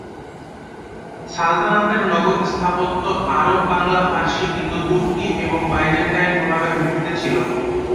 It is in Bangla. সালতানাতের নগর স্থাপত্য আরব, বাংলা, ফারসি, ইন্দো-তুর্কি এবং বাইজেন্টাইন প্রভাবের ভিত্তিতে ছিল।